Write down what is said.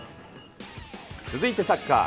続いてサッカー。